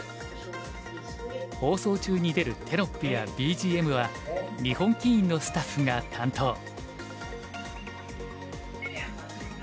放送中に出るテロップやＢＧＭは日本棋院のスタッフが担当。